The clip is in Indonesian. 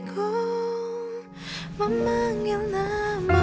ku sebut namamu